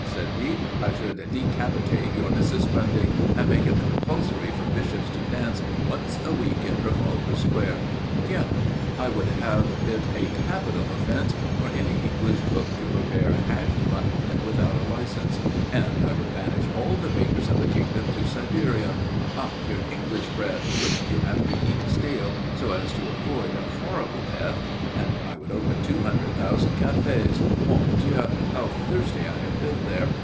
_" said he, "I should decapitate your Mrs. Grundy, and make it compulsory for bishops to dance once a week in Trafalgar Square. Tiens! I would have it a capital offence for any English cook to prepare hashed mutton without a license, and I would banish all the bakers of the kingdom to Siberia ah! your English bread, which you have to eat stale so as to avoid a horrible death! and I would open two hundred thousand cafés mon Dieu! how thirsty I have been there!